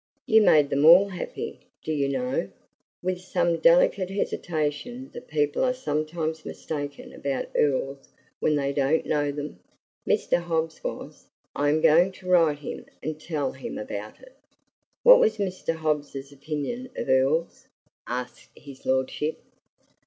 "You made them all happy. Do you know," with some delicate hesitation, "that people are sometimes mistaken about earls when they don't know them. Mr. Hobbs was. I am going to write him, and tell him about it." "What was Mr. Hobbs's opinion of earls?" asked his lordship.